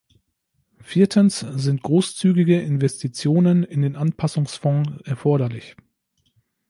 Viertens sind großzügige Investitionen in den Anpassungsfonds erforderlich.